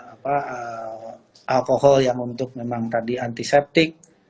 apa alkohol yang untuk memang tadi antiseptik